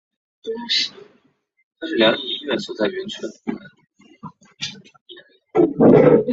汉兹曾为财政大臣欧思邦在影子内阁财政大臣时期的。